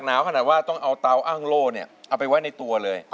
ขนาดว่าต้องเอาเตาอ้างโล่เอาไปไว้ในตัวเลย